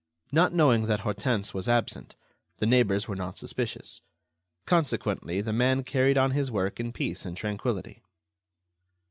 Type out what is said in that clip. Not knowing that Hortense was absent, the neighbors were not suspicious; consequently, the man carried on his work in peace and tranquility.